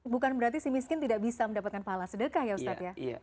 bukan berarti si miskin tidak bisa mendapatkan pahala sedekah ya ustadz ya